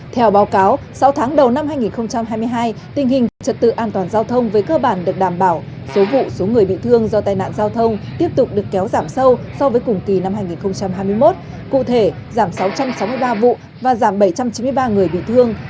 theo báo cáo sáu tháng đầu năm hai nghìn hai mươi hai tình hình trật tự an toàn giao thông với cơ bản được đảm bảo số vụ số người bị thương do tai nạn giao thông tiếp tục được kéo giảm sâu so với cùng kỳ năm hai nghìn hai mươi một cụ thể giảm sáu trăm sáu mươi ba vụ và giảm bảy trăm chín mươi ba người bị thương